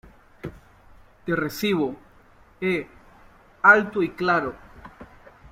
te recibo, ¿ eh? alto y claro.